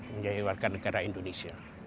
menjadi warga negara indonesia